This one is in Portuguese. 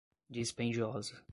dispendiosa